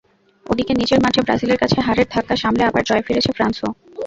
ওদিকে নিজের মাঠে ব্রাজিলের কাছে হারের ধাক্কা সামলে আবার জয়ে ফিরেছে ফ্রান্সও।